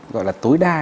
gọi là tối đa